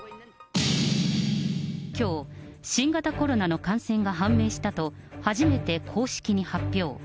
きょう、新型コロナの感染が判明したと、初めて公式に発表。